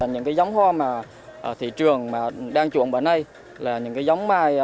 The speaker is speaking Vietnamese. những cái giống hoa mà ở thị trường đang chuộng bởi nay là những cái giống mai